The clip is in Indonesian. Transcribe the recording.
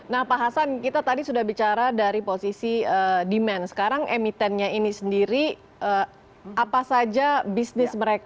nah pak hasan kita tadi sudah bicara dari posisi demand sekarang emitennya ini sendiri apa saja bisnis mereka